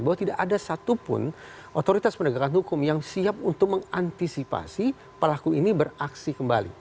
bahwa tidak ada satupun otoritas penegakan hukum yang siap untuk mengantisipasi pelaku ini beraksi kembali